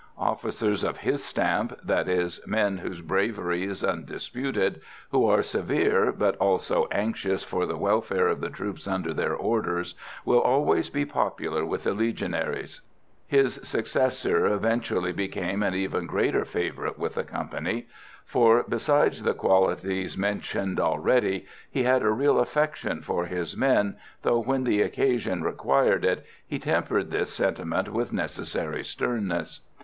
Officers of his stamp, that is, men whose bravery is undisputed, who are severe but also anxious for the welfare of the troops under their orders, will always be popular with the Legionaries. His successor eventually became an even greater favourite with the company, for, besides the qualities mentioned already, he had a real affection for his men, though, when the occasion required it, he tempered this sentiment with necessary sternness.